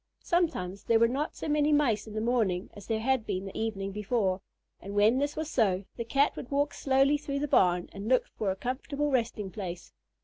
Sometimes there were not so many Mice in the morning as there had been the evening before, and when this was so, the Cat would walk slowly through the barn and look for a comfortable resting place.